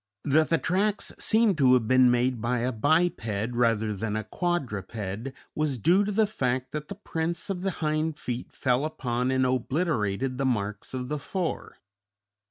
That the tracks seemed to have been made by a biped, rather than a quadruped, was due to the fact that the prints of the hind feet fell upon and obliterated the marks of the fore.